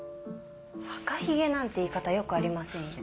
・赤ひげなんて言い方よくありませんよ。